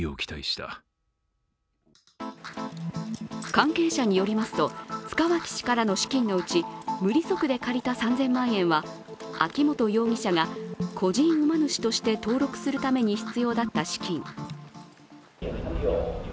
関係者によりますと、塚脇氏からの資金のうち無利息で借りた３０００万円は秋本容疑者が個人馬主として登録するために必要だった資金。